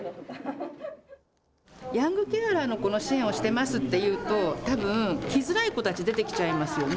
ヤングケアラーの子の支援をしてますって言うとたぶん、来づらい子たちも出てきちゃいますよね。